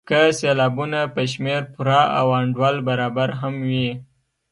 که سېلابونه په شمېر پوره او انډول برابر هم وي.